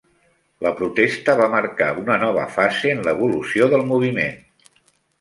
La protesta va marcar una nova fase en l'evolució del moviment.